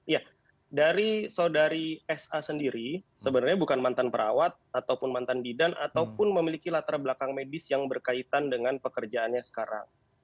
ya dari saudari sa sendiri sebenarnya bukan mantan perawat ataupun mantan bidan ataupun memiliki latar belakang medis yang berkaitan dengan pekerjaannya sekarang